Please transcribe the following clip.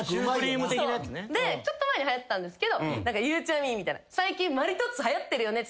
ちょっと前にはやってたんですけど「ゆうちゃみ最近マリトッツォはやってるよね」